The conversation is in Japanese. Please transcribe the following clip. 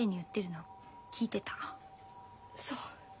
そう。